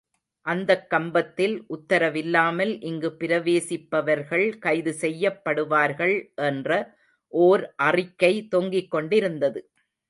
அந்தக் கம்பத்தில், உத்தரவில்லாமல் இங்கு பிரவேசிப்பவர்கள் கைதுசெய்யப்படுவார்கள் என்ற ஓர் அறிக்கை தொங்கிக் கொண்டிருந்தது.